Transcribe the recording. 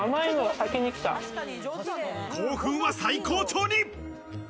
興奮は最高潮に！